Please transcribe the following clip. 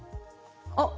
あっ！